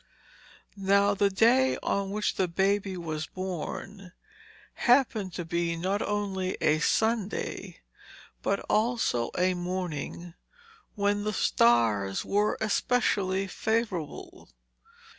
Now the day on which the baby was born happened to be not only a Sunday, but also a morning when the stars were especially favourable.